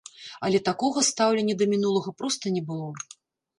Але такога стаўлення да мінулага проста не было.